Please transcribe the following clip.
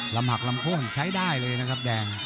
หักลำโค้นใช้ได้เลยนะครับแดง